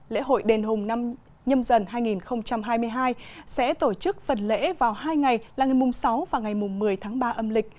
lễ hội đền hùng năm nhâm dần hai nghìn hai mươi hai sẽ tổ chức phần lễ vào hai ngày là ngày sáu và ngày một mươi tháng ba âm lịch